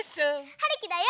はるきだよ！